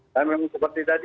dan memang seperti tadi